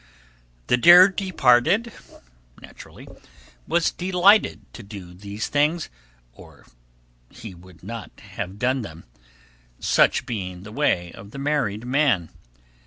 The dear departed, naturally, was delighted to do these things, or he would not have done them such being the way of the married man.